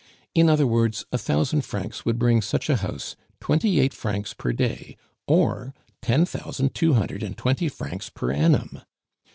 In other words, a thousand francs would bring such a house twenty eight francs per day, or ten thousand two hundred and twenty francs per annum.